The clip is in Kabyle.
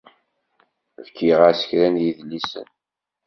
Fkiɣ-as kra n yidlisen.